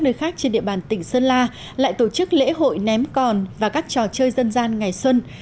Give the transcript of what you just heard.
nơi khác trên địa bàn tỉnh sơn la lại tổ chức lễ hội ném còn và các trò chơi dân gian ngày xuân